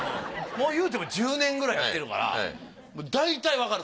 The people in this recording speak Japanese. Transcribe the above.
もう言うても１０年くらいやってるからだいたいわかる。